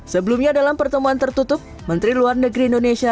sebelumnya dalam pertemuan tertutup menteri luar negeri indonesia